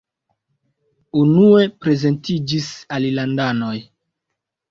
Unue prezentiĝis alilandanoj.